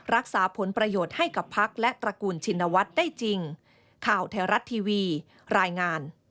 รักษาผลประโยชน์ให้กับพักษ์และตระกูลชินวัตรได้จริง